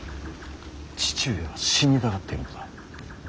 父上は死にたがっているのだ。